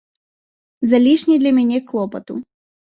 Залішне для мяне клопату.